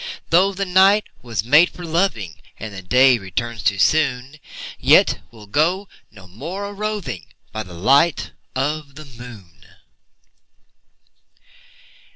Though the night was made for loving, And the day returns too soon, Yet we'll go no more a roving By the light of the moon.